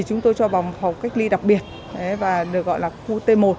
chúng tôi cho vào một phòng cách ly đặc biệt được gọi là khu t một